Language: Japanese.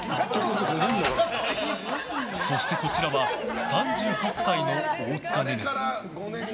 そして、こちらは３８歳の大塚寧々。